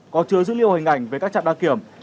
có chứa dữ liệu hình ảnh về các trạm đăng kiểm